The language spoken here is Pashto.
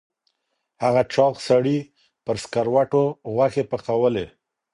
هغه چاغ سړي په سکروټو غوښې پخولې.